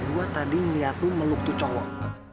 gue tadi liat lu meluktu cowok